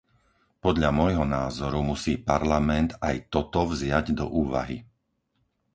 Podľa môjho názoru musí Parlament aj toto vziať do úvahy.